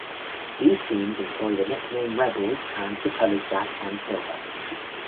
These teams employ the nickname Rebels and the colors black and silver.